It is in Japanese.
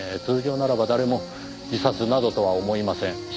通常ならば誰も自殺などとは思いません。